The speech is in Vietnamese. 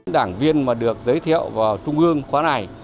đảng viên mà được giới thiệu vào trung ương khóa này